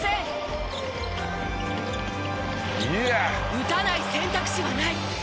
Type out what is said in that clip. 「打たない選択肢はない」。